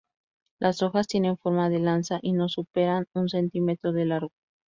Las hojas tienen forma de lanza y no superan un centímetro de largo.